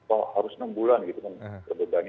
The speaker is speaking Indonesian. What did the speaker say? oh harus enam bulan gitu terbebani